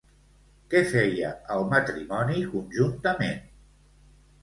Què feia el matrimoni conjuntament?